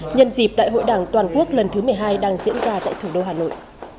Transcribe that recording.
nhân dịp đại hội đảng toàn quốc lần thứ một mươi hai đang diễn ra tại thủ đô hà nội